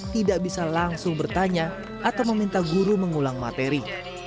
tidak bisa langsung bertanya atau meminta guru mengulang materi